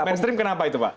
mainstream kenapa itu pak